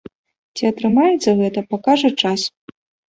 Ці атрымаецца гэта, пакажа час.